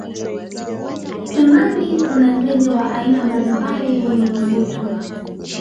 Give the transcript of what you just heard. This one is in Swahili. kimani kuna ndege wa aina mbalimbali wenye mvuto